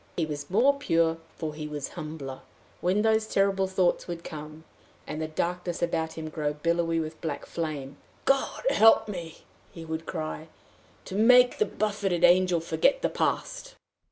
He was more pure, for he was humbler. When those terrible thoughts would come, and the darkness about him grow billowy with black flame, "God help me," he would cry, "to make the buffeted angel forget the past!"